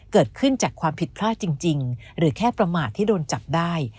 เกิดขึ้นจากความผิดพลาดจริงหรือแค่ประมาทที่โดนจับได้